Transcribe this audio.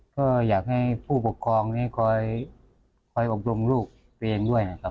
ก็อยากให้ผู้ปกครองนี้คอยอบรมลูกตัวเองด้วยนะครับ